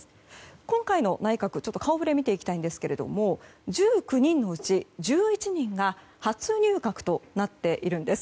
今回の内閣、顔ぶれを見ていきたいんですけども１９人のうち１１人が初入閣となっているんです。